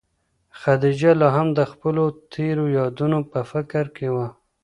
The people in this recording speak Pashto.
خدیجه لا هم د خپلو تېرو یادونو په فکر کې وه.